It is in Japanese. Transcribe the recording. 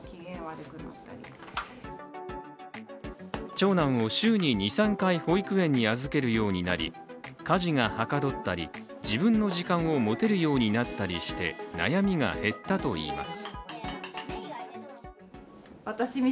長男を週に２３回保育園に預けるようになり家事がはかどったり自分の時間を持てるようになったりして悩みが減ったといいます。